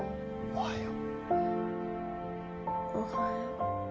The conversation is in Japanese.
おはよう。